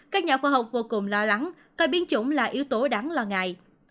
các nhà khoa học vô cùng lo lắng coi biến chủng là yếu tố đáng lo ngại